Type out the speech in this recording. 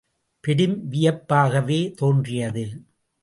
பெரும் வியப்பாகவே தோன்றியது.